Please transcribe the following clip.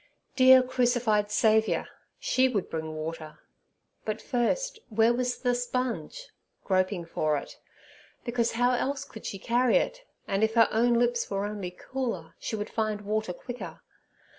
Dear crucified Saviour! she would bring water. But first, where was the sponge (groping for it), because how else could she carry it? And if her own lips were only cooler, she would find water quicker.